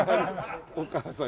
お母さん。